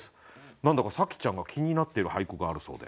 何だか紗季ちゃんが気になっている俳句があるそうで。